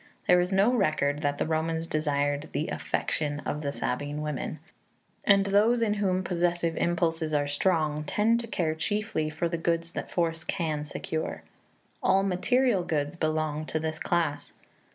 There is no record that the Romans desired the affection of the Sabine women; and those in whom possessive impulses are strong tend to care chiefly for the goods that force can secure. All material goods belong to this class.